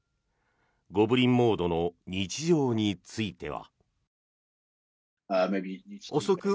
ゴブリン・モードの日常については。